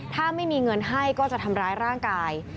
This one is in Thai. ถ้าไม่มีเงินให้ก็จะทำร้ายร่างกาย